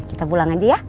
kita pulang aja ya